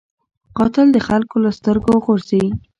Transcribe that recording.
قاتل د خلکو له سترګو غورځي